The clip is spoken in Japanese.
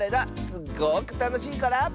すごくたのしいから。